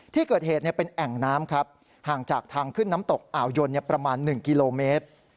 ที่เกิดเหตุเป็นแอ่งน้ำครับห่างจากทางขึ้นน้ำตกอ่าวยนประมาณ๑กิโลเมตร